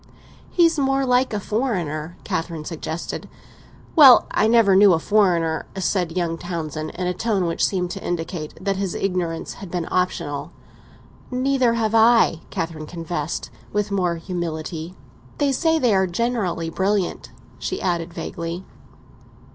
"He's more like a foreigner," Catherine suggested. "Well, I never knew a foreigner!" said young Townsend, in a tone which seemed to indicate that his ignorance had been optional. "Neither have I," Catherine confessed, with more humility. "They say they are generally brilliant," she added vaguely.